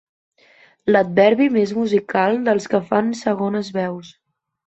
L'adverbi més musical dels que fan segones veus.